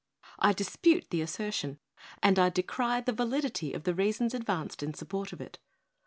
I dispute the assertion, and I decry the validity of the reasons advanced in support of it.